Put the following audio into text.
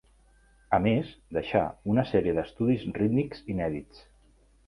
A més, deixà, una sèrie d'estudis rítmics inèdits.